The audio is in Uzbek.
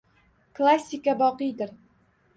Klassika boqiydir